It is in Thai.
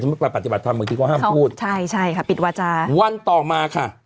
มาปฏิบัติธรรมบางทีก็ห้ามพูดใช่ใช่ค่ะปิดวาจาวันต่อมาค่ะ